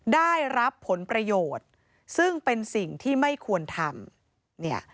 ได้รับผลประโยชน์ซึ่งเป็นสิ่งที่ไม่ควรทำเนี่ย